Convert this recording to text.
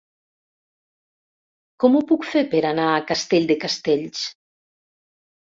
Com ho puc fer per anar a Castell de Castells?